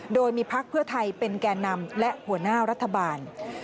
โดยมีพักเพื่อไทยเป็นแก่นำและหัวหน้ารัฐบาล